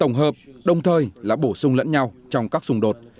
tổng hợp đồng thời là bổ sung lẫn nhau trong các xung đột